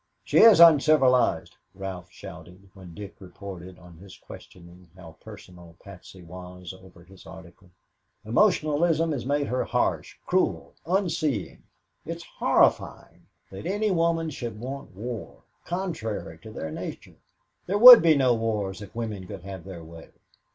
"She is uncivilized," Ralph shouted when Dick reported on his questioning how personal Patsy was over his article. "Emotionalism has made her harsh, cruel, unseeing. It is horrifying that any woman should want war contrary to their nature. There would be no wars if women could have their way."